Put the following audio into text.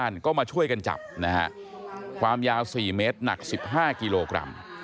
ชาวบ้านก็มาช่วยกันจับนะฮะความยาวสี่เมตรหนักสิบห้ากิโลกรัม